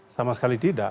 sama sekali tidak